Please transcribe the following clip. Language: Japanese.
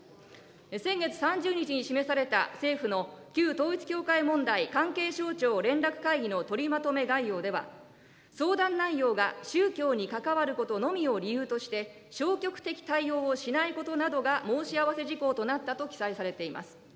先月３０日に示された政府の旧統一教会問題関係省庁連絡会議の取りまとめ概要では、相談内容が宗教に関わることのみを理由として、消極的対応をしないことなどが申し合わせ事項となったと記載されています。